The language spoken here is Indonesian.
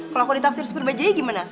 kalau aku di taksir sepir bajaj gimana